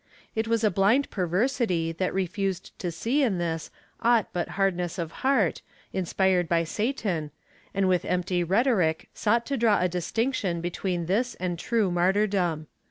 It was a blind perversity that refused to see in this aught but hardness of heart, inspired by Satan, and with empty rhetoric sought to draw a distinction between this and true martyrdom.